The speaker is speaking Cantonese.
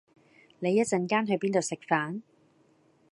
你一陣間去邊度食飯？